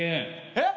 えっ！？